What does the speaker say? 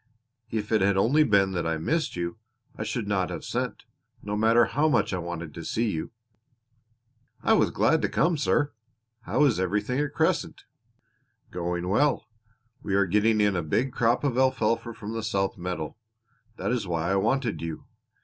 If it had only been that I missed you I should not have sent, no matter how much I wanted to see you." "I was glad to come, sir. How is everything at Crescent?" "Going well. We are getting in a big crop of alfalfa from the south meadow. That is why I wanted you.